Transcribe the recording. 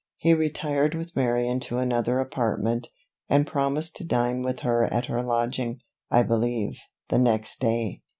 He retired with Mary into another apartment, and promised to dine with her at her lodging, I believe, the next day.